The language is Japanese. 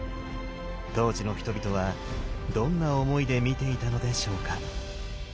当時の人々はどんな思いで見ていたのでしょうか。